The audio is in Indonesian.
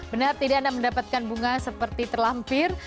benar tidak mendapatkan bunga seperti terlampir